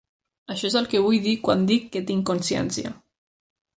Això és el que vull dir quan dic que tinc consciència.